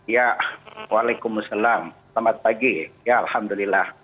ya waalaikumsalam selamat pagi ya alhamdulillah